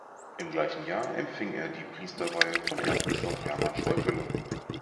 Im gleichen Jahr empfing er die Priesterweihe von Erzbischof Hermann Schäufele.